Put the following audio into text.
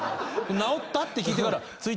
「治った？」って聞いてから。